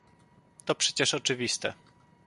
to przecież oczywiste